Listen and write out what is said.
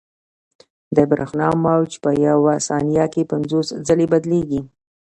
د برېښنا موج په یوه ثانیه کې پنځوس ځلې بدلېږي.